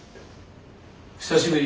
久しぶり。